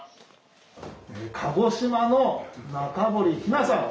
鹿児島の中堀陽菜さん。